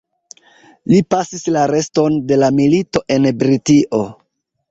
Li pasis la reston de la milito en Britio.